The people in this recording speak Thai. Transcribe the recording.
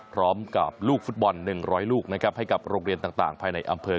พร้อมกับลูกฟุตบอล๑๐๐ลูกให้กับโรงเรียนต่างภายในอำเภอ